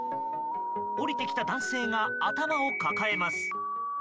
降りてきた男性が頭を抱えます。